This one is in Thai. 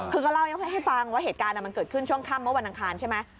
คือก็เล่าให้ฟังว่าเหตุการณ์มันเกิดขึ้นช่วงค่ำเมื่อวันอังคารใช่ไหม